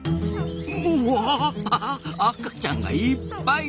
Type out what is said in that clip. うわ赤ちゃんがいっぱいだ！